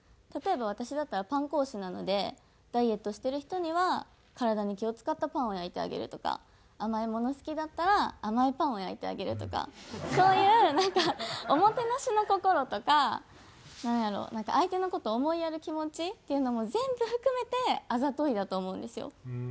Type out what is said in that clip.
例えば私だったらパン講師なのでダイエットしてる人には体に気を使ったパンを焼いてあげるとか甘いもの好きだったら甘いパンを焼いてあげるとかそういうなんかおもてなしの心とかなんやろう相手の事を思いやる気持ちっていうのも全部含めてあざといだと思うんですよ。